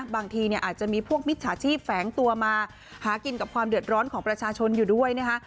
บางทีอาจจะมีพวกมิจฉาชีพแฝงตัวมาหากินกับความเดือดร้อนของประชาชนอยู่ด้วยนะคะ